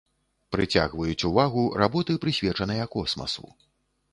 Прыцягваюць увагу работы, прысвечаныя космасу.